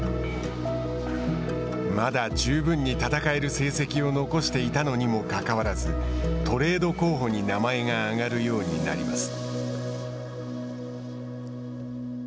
まだ十分に戦える成績を残していたのにもかかわらずトレード候補に名前が挙がるようになります。